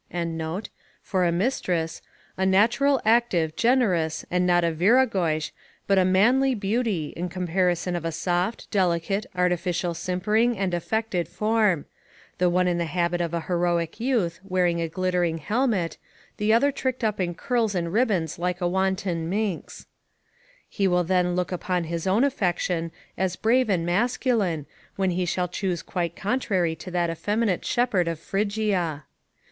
] for a mistress, a natural, active, generous, and not a viragoish, but a manly beauty, in comparison of a soft, delicate, artificial simpering, and affected form; the one in the habit of a heroic youth, wearing a glittering helmet, the other tricked up in curls and ribbons like a wanton minx; he will then look upon his own affection as brave and masculine, when he shall choose quite contrary to that effeminate shepherd of Phrygia.